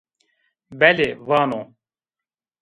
Belê, vano